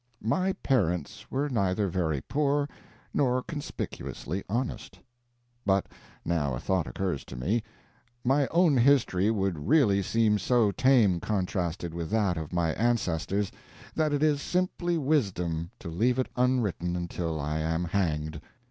My parents were neither very poor nor conspicuously honest. But now a thought occurs to me. My own history would really seem so tame contrasted with that of my ancestors, that it is simply wisdom to leave it unwritten until I am hanged.